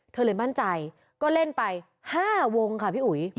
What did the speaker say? เธอเลยมั่นใจก็เล่นไป๕วงค่ะพี่อุ๋ย